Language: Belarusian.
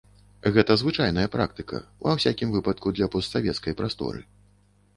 Гэта звычайная практыка, ва ўсякім выпадку для постсавецкай прасторы.